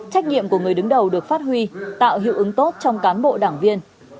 trách nhiệm của người đứng đầu được phát huy tạo hiệu ứng tốt trong cán bộ đảng viên